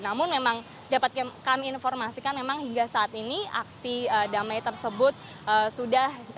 namun memang dapat kami informasikan memang ini adalah satu hal yang sangat penting karena kita sudah tahu bahwa